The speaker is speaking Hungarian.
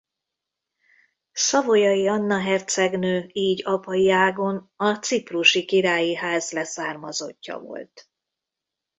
Savoyai Anna hercegnő így apai ágon a ciprusi királyi ház leszármazottja volt.